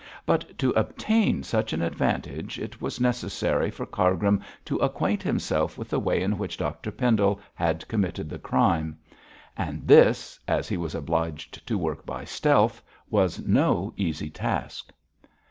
But to obtain such an advantage it was necessary for Cargrim to acquaint himself with the way in which Dr Pendle had committed the crime. And this, as he was obliged to work by stealth, was no easy task.